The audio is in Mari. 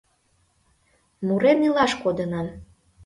Мурен илаш кодынам